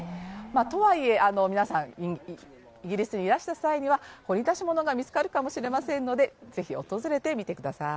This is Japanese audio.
とはいえ、皆さん、イギリスにいらした際には掘り出し物が見つかるかもしれないので、ぜひ訪れてみてください。